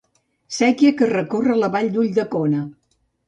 Séquia que recorre la Vall d'Ulldecona.